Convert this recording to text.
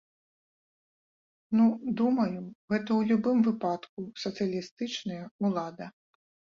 Ну, думаю, гэта ў любым выпадку сацыялістычная ўлада.